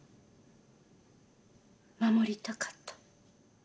守りたかった。